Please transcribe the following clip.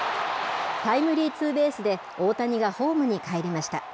タイムリーツーベースで、大谷がホームにかえりました。